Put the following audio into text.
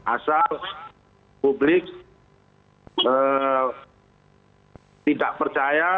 asal publik tidak percaya